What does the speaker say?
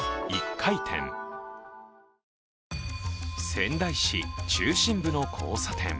仙台市中心部の交差点。